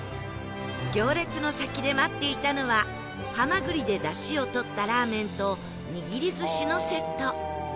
行列の先で待っていたのはハマグリで出汁を取ったラーメンと握り寿司のセット